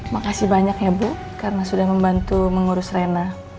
makasih banyak ya bu karena sudah membantu mengurus rena